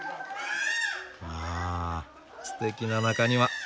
わあすてきな中庭。